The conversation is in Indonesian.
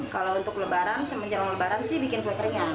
kalau untuk lebaran menjelang lebaran sih bikin kue keringan